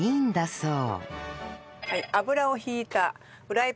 そう。